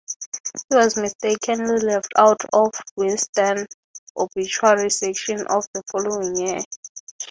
He was mistakenly left out of "Wisden"'s obituary section the following year.